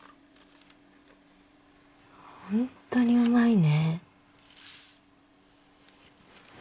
ほんとにうまいね。